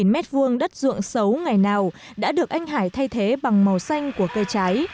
năm mét vuông đất ruộng xấu ngày nào đã được anh hải thay thế bằng màu xanh của cây trái